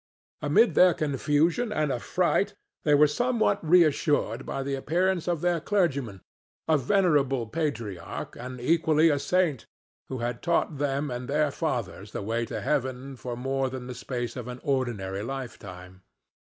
Amid their confusion and affright they were somewhat reassured by the appearance of their clergyman, a venerable patriarch, and equally a saint, who had taught them and their fathers the way to heaven for more than the space of an ordinary lifetime.